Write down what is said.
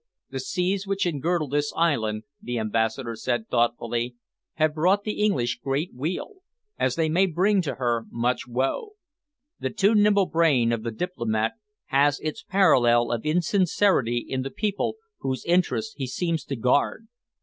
"The seas which engirdle this island," the Ambassador said thoughtfully, "have brought the English great weal, as they may bring to her much woe. The too nimble brain of the diplomat has its parallel of insincerity in the people whose interests he seems to guard.